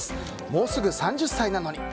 もうすぐ３０歳なのに。